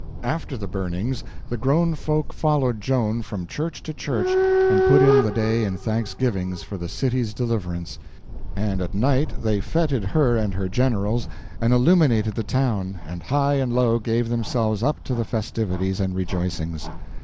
After the burnings, the grown folk followed Joan from church to church and put in the day in thanksgivings for the city's deliverance, and at night they feted her and her generals and illuminated the town, and high and low gave themselves up to festivities and rejoicings.